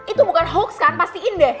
itu bukan hoax kan pastiin deh